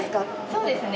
そうですね。